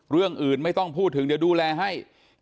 เรื่องอื่นไม่ต้องพูดถึงเดี๋ยวดูแลให้